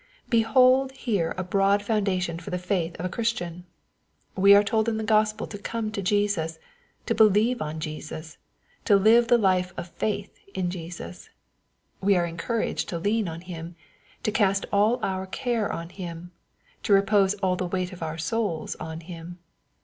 Behold here a broad foundation for the faith of a Christian ! We are told in the Gospel to come to Jesus, to believe on Jesus, to live the life of faith in Jesus. We are encouraged to lean on Him, to cast all our care on Him, to repose all the weight of our souls on Him.